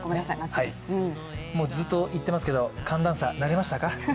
もうずっと言っていますけれども寒暖差慣れましたか？